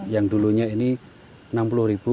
yang dulunya ini enam puluh ribu